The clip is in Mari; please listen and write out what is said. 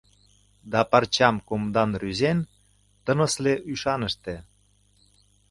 Да парчам кумдан рӱзен Тынысле ӱшаныште.